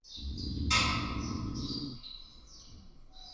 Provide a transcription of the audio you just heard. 伊扎布特是在伊斯兰教极端组织穆斯林兄弟会的基础上产生。